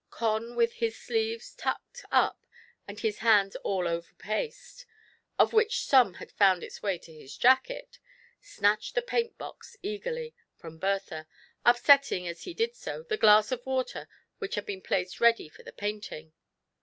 Con, with his sleeves tucked up and his hands all over paste, of which some had found its way to his jacket, snatched the paint box eagerly from Bertha, upsetting, as he did so, the glass of water which had been placed ready for the painting.